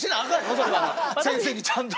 それは先生にちゃんと。